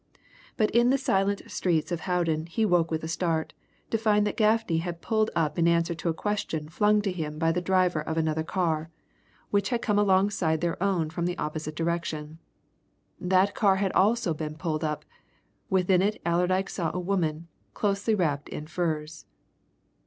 But in the silent streets of Howden he woke with a start, to find that Gaffney had pulled up in answer to a question flung to him by the driver of another car, which had come alongside their own from the opposite direction. That car had also been pulled up; within it Allerdyke saw a woman, closely wrapped in furs.